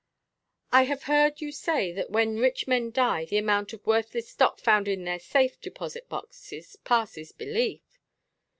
"I have heard you say that when rich men die the amount of worthless stock found in their safe deposit boxes passes belief."